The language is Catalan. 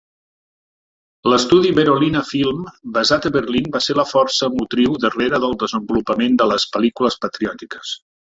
L'estudi Berolina Film, basat a Berlín va ser la força motriu darrere del desenvolupament de les "Pel·lícules patriòtiques".